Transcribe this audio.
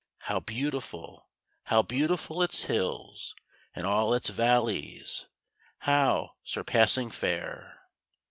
_ How beautiful, how beautiful its hills! _And all its valleys, how surpassing fair!